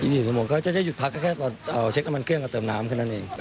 เดิน๔ชั่วโมงก็จะหยุดพักแค่ตอนเช็คน้ำมันเครื่องกับเติมน้ำขึ้นนั่นเอง